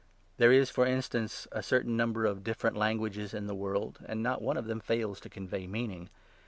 There is, for instance, a certain 10 number of different languages in the world, and not one of them fails to convey meaning.